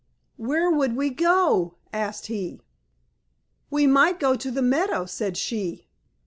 "Where would we go?" asked he. "We might go to the meadow," said she.